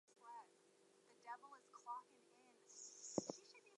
Fergus is also home to the Fergus Highland Rugby Football Club.